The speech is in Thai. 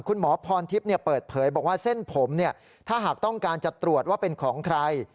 คุณหมอพรทิพย์เปิดเผยบอกว่าเส้นผมถ้าหากต้องการจะตรวจว่าเป็นของใคร